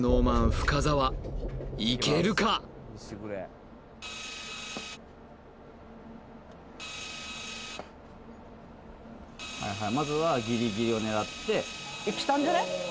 深澤いけるかはいはいまずはギリギリを狙ってきたんじゃね？